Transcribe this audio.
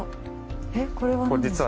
えっこれは。